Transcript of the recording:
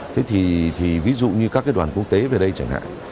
thế thì ví dụ như các cái đoàn quốc tế về đây chẳng hạn